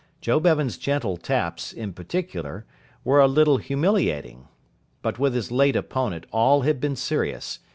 Joe Bevan's gentle taps, in particular, were a little humiliating. But with his late opponent all had been serious.